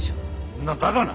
んなバカな。